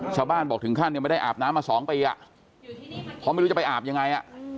ชาวบ้านบอกถึงขั้นเนี่ยไม่ได้อาบน้ำมา๒ปีเพราะไม่รู้จะไปอาบยังไง